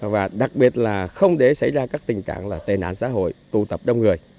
và đặc biệt là không để xảy ra các tình trạng tề nạn xã hội tụ tập đông người